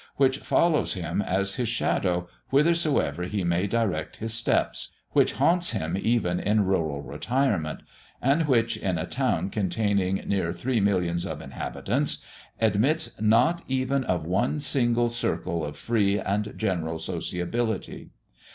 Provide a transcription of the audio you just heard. which follows him as his shadow, whithersoever he may direct his steps which haunts him even in rural retirement and which, in a town containing near three millions of inhabitants, admits not even of one single circle of free and general sociability!